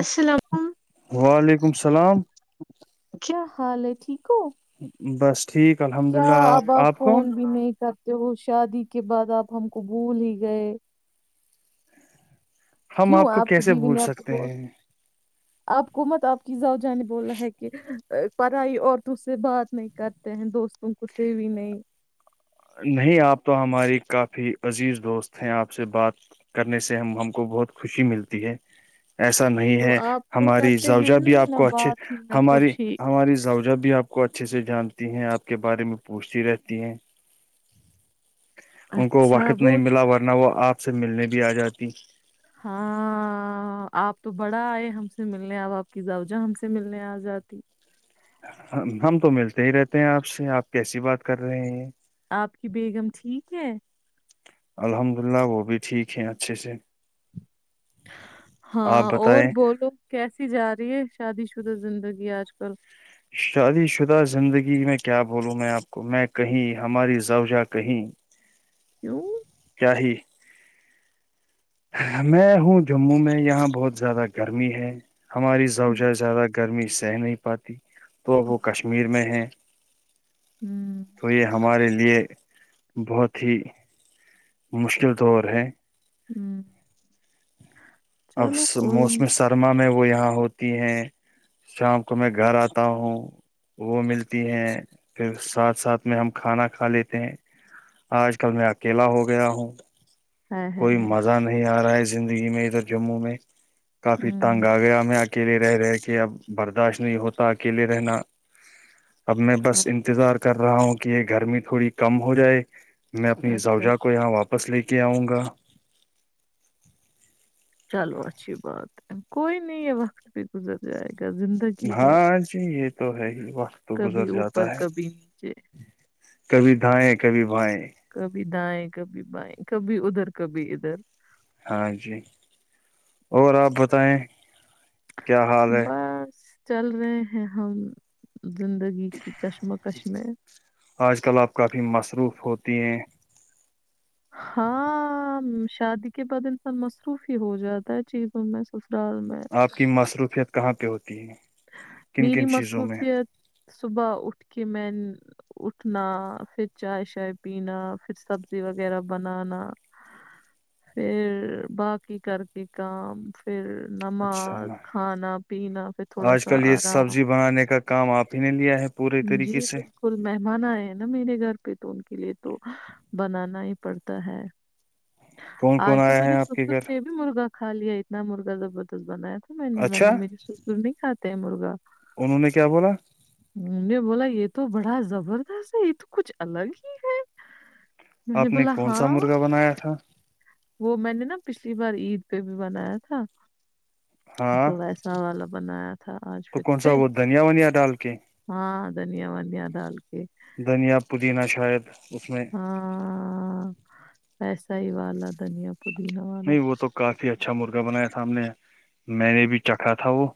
السلام علیکم۔ وعلیکم السلام کیا حال ہے ٹھیک ہو بس ٹھیک الحمد للہ آپ آپ کون تو وہ شادی کے بعد آپ ہم قبول ہی گئے ہم کیوں آپ کو کی کیسے بیوی بھول نے آپ سکتے کو ہیں آپ کو مت آپ کی زاؤ جان نے بولا ہے کہ پڑھائی عورتوں سے بات نہیں کرتے ہیں دوستوں کو سیوی نہیں نہیں آپ تو ہماری کافی عزیز دوست ہیں آپ سے بات کرنے سے ہم ہم کو بہت خوشی ملتی ہے ایسا نہیں تو ہے آپ تو ہماری کرتے زاوج ہیں بھی نہیں آپ نہ کو اچھے بات ہی نہ ہماری کچھ ہی ہماری زاوجا بھی آپ کو اچھے سے جان ہیں آپ کے بارے میں پوچھتی رہتی ہیں ان کو اچھا واقف نہیں وہ ملا ورنہ وہ آپ سے ملنے بھی آ جاتی ہاں آپ تو بڑا آئے ہم سے ملنے اب آپ کی زاوجہ ہم سے ملنے آ جاتی ہم تو ملتے ہی رہتے ہیں آپ سے آپ کیسی بات کر رہے ہیں آپ کی بیگم ٹھیک ہے الحمد للہ وہ بھی ٹھیک ہے اچھے سے آپ ہاں اور بتائیں بولو کیسی جا رہی ہے شادی شدہ زندگی آج کل شادی شدہ زندگی میں کیا بولوں میں آپ کو میں کہیں ہماری زاوجا کہیں کیوں کیا ہی میں ہوں جموں میں یہاں بہت زیادہ گرمی ہے ہماری زبش ہم، زیادہ گرمی سہ نہیں پاتی تو وہ کشمیر میں ہے ہم، توویا ہمارے لیے بہت ہی مشکل دور ہے ہوں اب موسم نہیں سرما میں وہ یہ یہاں ہوتی ہیں شام کو میں گھر آتا ہوں وہ ملتی ہے پھر ساتھ ساتھ میں ہم کھانا کھا لیتے ہیں آج کل میں اکیلا ہو گیا ہوںب ہے ہے کوئی ہے مزہ نہیں آ رہا ہے زندگی دلی میں ادھر جموں میں کافی ہم، تنگ آ گیا میں اکیلے رہ رہے کہ اب برداشت نہیں ہوتا اکیلے رہنا اب میں ہے، بس انتظار کر رہا ہوں کہ یہ گرمی تھوڑی کم ہو جائے میں اپنی اچھا سعوجا کو یہاں واپس واپس لے کے آؤں گا چلو اچھی بات ہے کوئی نہیں یہ وقت پہ گزر جائے گا زندگی ہے ہاں جی یہ تو ہے ہی وقت تو گزر کبھی جاتا اوپر ہے کبھی نیچے کبھی دھائیں کبھی بھائیں کبھی دائیں کبھی بائیں کبھی ادھر کبھی ادھر ہاں جی اور آپ بتائیں کیا حال ہے بس چل رہے ہیں ہم زندگی کی کشمکش میں آج کل آپ کافی مصروف ہوتی ہیں ہاں شادی کے بعد انسان مصروف ہی ہو جاتا ہے چیز میں سسرال میں آپ کی مصروفیت کہاں پہ ہوتے میری مصروفیت صبح اٹھ کے میں اٹھنا پھر چائے شائے پینا پھر سبزی وغیرہ بنانا پھر باقی کر کے کام پھر اچھا نماز کھان پینا پھر تھوڑا آج سا کل یہ سبزی آرام بنانے کا کام آپ ہی نہیں لیا ہے پورے طریقے جی سے بالکل مہمان آئے ہیں نا میرے گھر پہ تو ان کے لیے تو بنانا ہی پڑتا ہے کون کون آج تو آیا ہے میرے آپ کے سسر گھر نے بھی مرغا کھا لیا اتنا مرغاب بنائے میں نے اچھا ملب میرے سسر نہیں کھاتے ہیں مرغا انہوں نے کیا بولا م بولا یہ تو بڑا زبردست ہے یہ تو کچھ الگ ہی ہے میں آپ نے بولا کون سا ہاں، مرغا بنایا تھا وہ میں نے نا پچھلی بار عید پہ بھی بنایا تھا ہاں تو ویسا والا بنایا تھا آج تو پھر کون سا سے وہ دھنیا ونیا ڈال کے ہاں دھنیا ونیا ڈال کے دھنیا پودینہ شاید اس میں ایسا ہی والا دنیا نہیں وہ تو کافی اچھا مرغہ بنایا تھا ہم نے میں نے بھی چکھا تھا وہ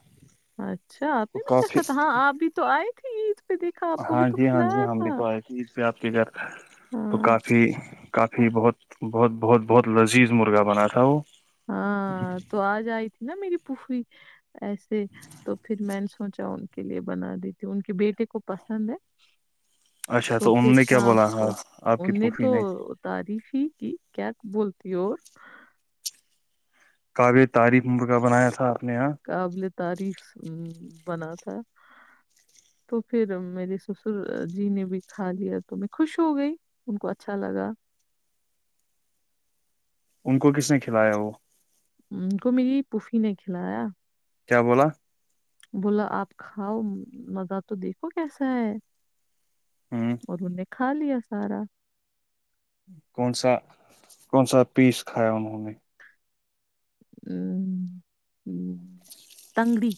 اچھا آپ تو نے بھی کافی چکھا تھا ہاں آپ بھی تو آئے تھی عید پہ، دیکھا آپ کو بھی ہاں تو جی ہاں جی کھلایا ہم بھی تھا۔ تو آئے تھ پ آپ کے گھر تو ہاں کافی کافی بہت بہت بہت بہت لذیذ مرغہ بنا تھا وہ ہاں تو آ جائی تھی ن میری پھفی ایسے تو پھر میں نے سوچا ان کے لیے بنا دیتی ان کے بیٹے کو پسند ہے اچھا تو پھر انہوں نے کیا شام بولا ہاں، کو آپ کی ان نے پوفی تو تعریف ہی کہ کیا بولتی ہو کاول تاریف کا بنایا تھا نے یہاں قابل تعریف ہ بنا تھا تو پھر میرے سسر جی نے بھی کھا لیا تو میں خوش ہو گئی ان کو اچھا لگا ان کو کس نے کھلایا وہ ان کو میری پفی نے کھلایا کیا بولا بولا آپ کھاؤ مزہ تو دیکھو کیسا ہے ہ اور نے خال لیا سارا کون سا کون سا پیس کھایا انہوں نے تنگڑی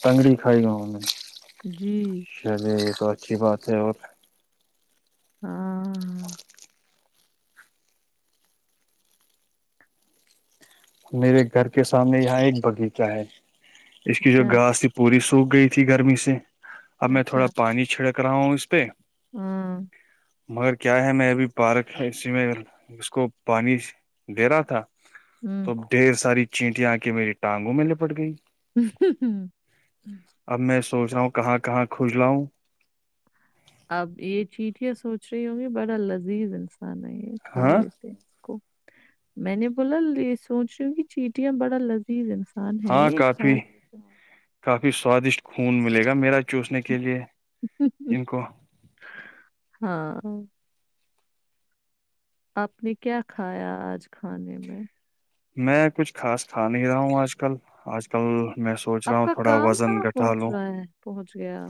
تٹگڑی کائی گاؤ نے جی ا تو اچھی بات ہے اور ہاں ہاں میرے گھر کے سامنے یہاں ایک باغیچہ ہے اس کی جو اچھا گاس تھی پوری سوک گئی تھی گرمی سے اب میں تھوڑا اچھا پانی چھڑک کر رہا ہوں اس پہ ہاں مگر کیا ہے میں ابھی پارک اسی میں اس کو پانی دے رہا تھا ہوں تو ڈھیر ساری چینٹٹی آ کے میری ٹانگوں میں لپٹ گئی اب میں سوچ رہا ہوں کہاں کہاں کھجلا ہ اب یہ چٹیٹیا سوچ رہی ہوں گی بڑا لذیذ انسان ا ہے کھا ہاں لیتے ہیں اس کو میں نے بولا یہ سوچ رہی ہوں کہ چیٹیاں بڑا لذیذ ہے کون ہے ہاں یہ کافی کون کافی سوادشٹ خون ملے گا میرا چوسنے کے لیے ان کو ہاں آپ نے کیا کھایا آج کھانے میں؟ میں کچھ خاص کھا نہیں رہا ہوں آج کل آج کل میں سوچ رہا آپ ہوں کا تھوڑا کام وزن کہاں گٹھا پہنچ لوں رہا ہے پہنچ گیا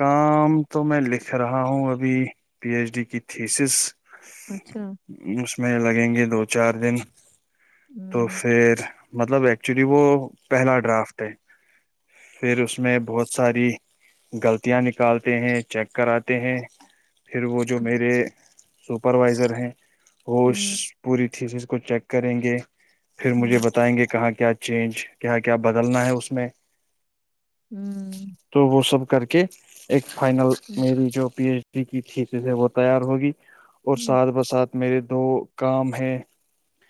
کام تو میں لکھ رہا ہوں ابھی پی ایچ ڈی کی تھیسس اچھا اس میں لگ لگیں گے دو چار دن تو ہوں پھر مطلب ایکچولی وہ پہلا ڈرافٹ ہے پھر اس میں بہت ساری غلطیاں نکالتے ہیں چیک کراتے ہیں پھر وہ جو ہوں میرے سپروائزر ہیں وہ ہوں پوری ٹھییک کچھیک کریں گے پھر مجھے ہوں بتائیں گے کہاں کیا چینج کیا کیا بدلنا ہے اس میں ہوں تو وہ سب کر کے ایک فائنل ہوں میں بھی جو پی ایچ کی کھیسی سے وہ تیار ہوگی اور ساتھ بساتھ میرے دو کام ہیں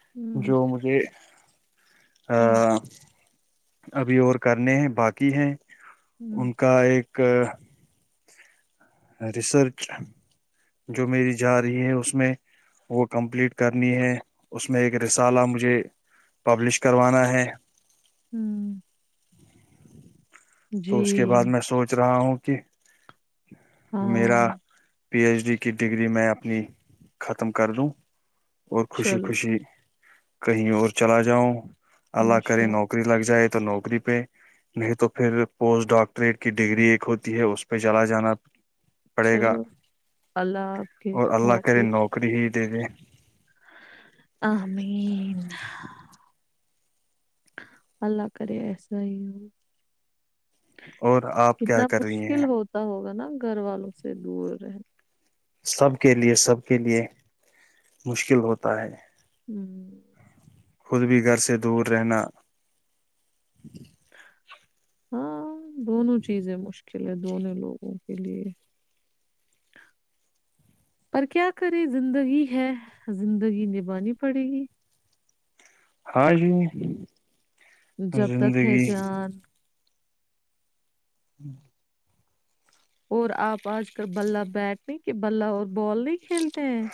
ہوں جو مجھے ہوں [inaudible] ابھی اور کرنے ہیں باقی ہیں ہوں ان کا ایک کہ ریسرچ جو میری جا رہی ہے اس میں وہ کمپلیٹ کرنی ہے اس میں ایک رسالہ مجھے پبلش کروانا ہے ہوں جی تو اس کے بعد میں سوچ رہا ہوں کہ اکے ہاں پی ایچ ڈی کی ڈگری میں اپنی ختم کر دوں اور خوشی چلو خوشی کہیں اور چلا جاؤ اللہ کرے انشاءاللہ نوکری لگ جائے تو نوکری پہ نہیں تو پھر پوسٹ ڈاکٹریٹ کی ڈگری ایک ہوتی ہے اس پہ چلا جانا پڑے گا چلو اللہ آپ کے اور خو اللہ کرے پورے نوکری ہی کرے دے دے آمین اللہ کرے ایس ہو اور آپ کیا کتنا کر رہی ہیں مشکل ہوتا ہوگا نا گھر والوں سے دور رہنے سب کے لیے سب کے لیے مشکل ہوتا ہے ہوں خود بھی گھر سے دور رہنا ہاں دونوں چیزیں مشکل چلے دونوں لوگوں کے لیے پر کیا کرے زندگی ہے زندگی نبھانی پڑے گی ہاں جی جب تک ہے زندگی جان ہوں اور آپ آج کل بلا بیٹ نہیں کہ بلا اور بال نہیں کھیلتے ہیں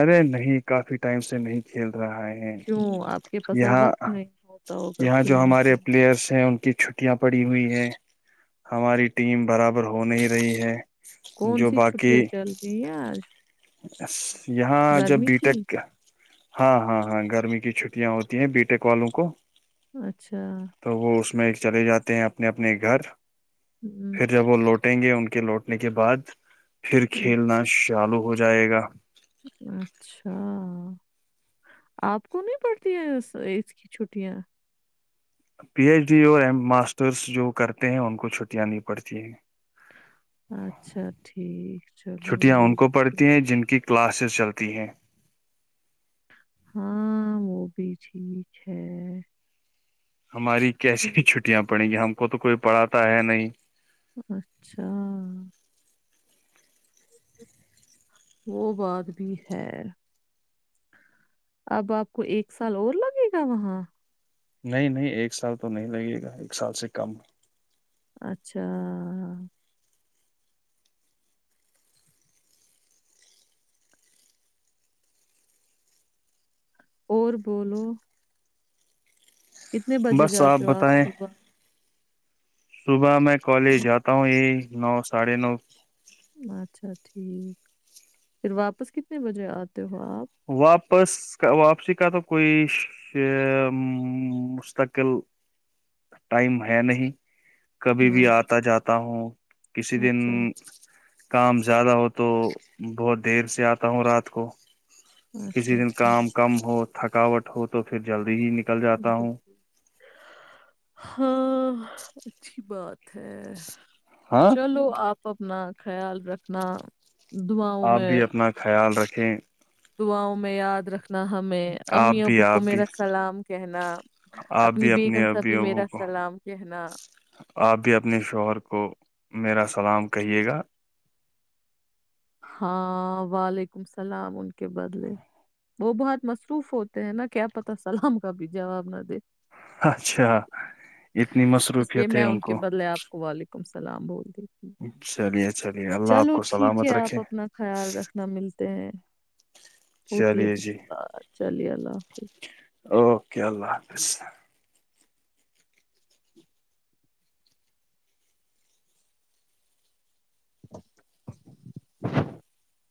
ارے نہیں کافی ٹائم سے نہیں کھیل رہا ہیں کیوں آپ کے پاس اب یہاں وقت نہیں ہوتا ہوگا یہاں جو کھیلنے ہمارے کے لیے پلیئرس ہیں ان کی چھٹیاں پڑی ہوئی ہے ہماری ٹیم برابر ہو نہیں رہی ہے کون جو سی باقی چھٹیاں چل رہی ہیں آج یہاں جب گرمی بی کی ٹیکت ہاں ہاں ہاں گرمی کی چھٹیاں ہوتی ہیں بیٹیک والوں کو اچھا تو وہ اس میں چلے جاتے ہیں اپنے اپنے گھر ہم، پھر جب لوٹ لٹیں گے ان کے لوٹنے کے بعد پھر ہم، کھیلنا چالو ہو جائے گا اچھا آپ کو نہیں پڑتی ہیں ایت کی چھٹیاں پی ایچ ڈی اور ایم ماسٹرس جو کرتے ہیں ان کو چھٹیاں نہیں پڑتی ہیں اچھا ٹھیک چلو چھٹیاں یہ ان کو پڑتی ہیں جن کی کلاسز چلتی ہیں ہاں وہ بھی ٹھیک ہے ہماری کیسی بھی چلو چھٹیاں پڑیں گی ہم کو تو کوئی پڑھاتا ہے نہیں اچھا وہ بات بھی ہے اب آپ کو ایک سال اور لگے گا وہاں نہیں نہیں ایک سال تو نہیں لگے گا ایک سال سے کم اچھا اور بولو کتنے بجے بس جاتے ہو آپ بتائیں صبح صبح میں کالج جاتا ہوں یہ نو ساڑھے نو اچھا پھر واپس کتنے بجے آتے ہو آپ؟ واپس واپسی کا تو کوئی مستقل ٹائم ہے نہیں کبھی بھی ہاں۔ آتا جاتا ہوں کسی دن اچھا، کام زیادہ ہو تو بہت دیر سے آتا ہوں رات کو اچھا کسی دن ٹھیک کام کم ہو تھکاٹ ہو تو پھر جلد ہی نکل جاتا جو ہوں ہاں ہاں اچھی بات ہے ہاں چلو آپ اپنا خیال رکھنا دعاؤں آپ بھی میں اپنا خیال رکھ۔۔۔ کھے۔ دعاؤں میں یاد رکھ۔۔ انا ہمیں۔ آپ امی بھی ابو کو آپ بھی میرا سلام کہنا۔ آپ اپنی بھی اپنے بیگم سے ابی بھی ابو میرا کو سلام کہنا۔ آپ بھی اپنے شوہر کو میرا سلام کہیے گا۔ ہاں وعلیکم السلام ان کے بدلے۔ وہ بہت مصروف ہوتے ہیں نا کیا پتا سلام کا بھی جواب نہ دے۔ اچھا اتنی مصروفیت ہے ان کو۔ سلام بولتی۔۔۔ چلیں چلیں اللہ آپ کو ٹھیک سلامت ہے رکھے۔ آپ اپنا خیال رکھنا ملتے ہیں۔ ہوتی ہے چلیے پھر جی سے بات چلیے اللہ حافظ۔ اوکے [unintelligible] [unintelligible] [unintelligible]